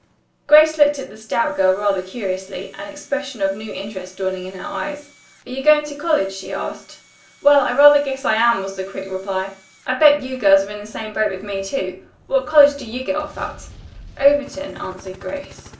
Grace looked at the stout girl rather curiously, an expression of new interest dawning in her eyes. "Are you going to college?" she asked. "Well, I rather guess I am," was the quick reply. "I'll bet you girls are in the same boat with me, too. What college do you get off at?" "Overton," answered Grace.